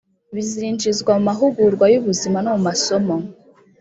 bizinjizwa mu mahugurwa y'ubuzima no mu masomo